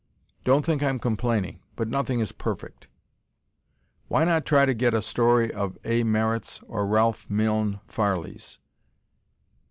Don't think I'm complaining, but nothing is perfect. Why not try to get a story of A. Merritt's, or Ralph Milne Farley's?